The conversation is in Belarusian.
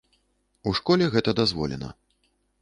У школе гэта дазволена.